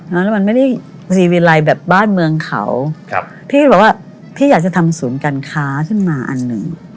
แล้วมันไม่ได้ซีวิลัยแบบบ้านเมืองเขาครับพี่ก็เลยบอกว่าพี่อยากจะทำศูนย์การค้าขึ้นมาอันหนึ่ง